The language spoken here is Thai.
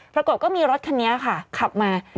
ปรากฏก็มีรถคันนี้ค่ะขับมา